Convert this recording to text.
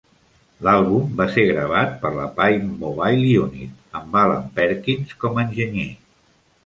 L'àlbum va ser gravat per la Pye Mobile Unit, amb Alan Perkins com a enginyer.